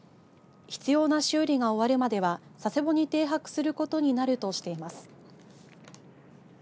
必要な修理が終わるまでは佐世保に停泊することになるとしています。